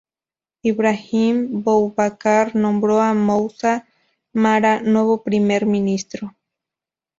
Ibrahim Boubacar nombró a Moussa Mara nuevo primer ministro.